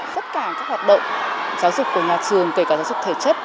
tất cả các hoạt động giáo dục của nhà trường kể cả giáo dục thể chất